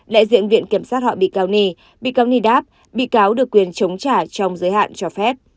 đại diện viện kiểm sát họ bị cáo nhi bị cáo nhi đáp bị cáo được quyền chống trả trong giới hạn cho phép